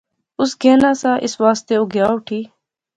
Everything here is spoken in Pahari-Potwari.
اس گینا ساہ، اس واسطے او گیا اٹھی